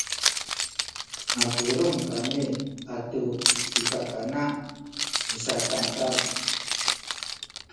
mapulung kami atu ci kakana misatankaw